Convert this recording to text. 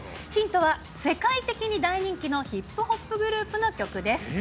ヒントは世界的に大人気のヒップホップグループの曲です。